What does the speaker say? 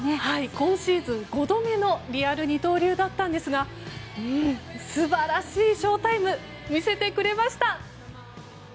今シーズン、５度目のリアル二刀流だったんですが素晴らしいショータイム見せてくれました。